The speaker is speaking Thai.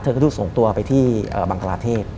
เธอก็ถูกส่งตัวไปที่บังกลาเทศ